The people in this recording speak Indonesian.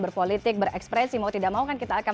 berpolitik berekspresi mau tidak mau kan kita akan